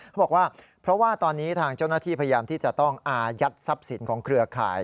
เขาบอกว่าเพราะว่าตอนนี้ทางเจ้าหน้าที่พยายามที่จะต้องอายัดทรัพย์สินของเครือข่าย